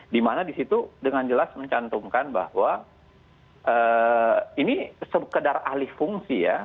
dimana disitu dengan jelas mencantumkan bahwa ini sekedar alih fungsi ya